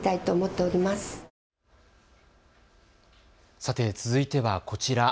さて続いてはこちら。